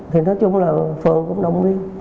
thì nói chung là phường cũng đồng ý